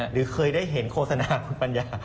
หรือเคยได้เห็นโฆษณาคุณปัญญา